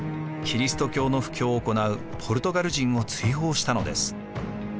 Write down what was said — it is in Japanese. キリスト教の布教を行うポルトガル人を追放したのです。